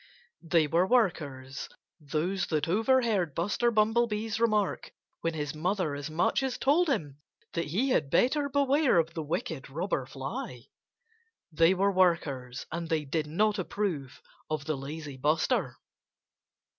They were workers those that overheard Buster Bumblebee's remark when his mother as much as told him that he had better beware of the wicked Robber Fly. They were workers; and they did not approve of the lazy Buster.